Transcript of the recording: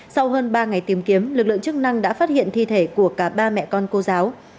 sau hơn ba ngày tìm kiếm lực lượng chức năng đã phát hiện thi thể của cả ba mẹ con cô giáo